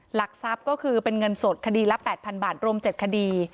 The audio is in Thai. หลักทรัพย์ก็คือเป็นเงินสดคดีละ๘๐๐๐บาทรวม๗คดี